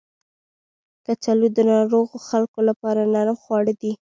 کچالو د ناروغو خلکو لپاره نرم خواړه دي